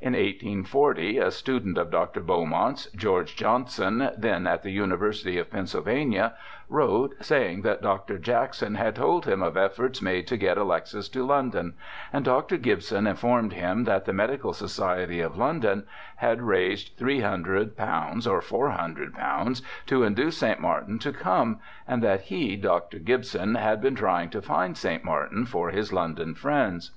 In 1840 a student of Dr. Beaumont's, George Johnson, then at the Uni versity of Pennsylvania, wrote sa^'ing that Dr. Jackson had told him of efforts made to get Alexis to London, and Dr. Gibson informed him that the Medical Society of London had raised ^^300 or ^400 to induce St. Martin to come, and that he, Dr. Gibson, had been trying to find St. Martin for his London friends.